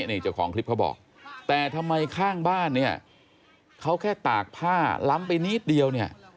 นี่เจ้าของคลิปเขาบอกแต่ทำไมข้างบ้านเนี่ยเขาแค่ตากผ้าล้ำไปนิดเดียวเนี่ย